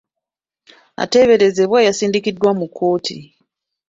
Ateeberezebwa yasindikiddwa mu kkooti.